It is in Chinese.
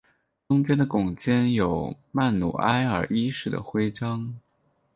中间的拱肩上有曼努埃尔一世的徽章。